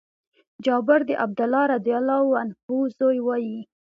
جابر د عبدالله رضي الله عنه زوی وايي :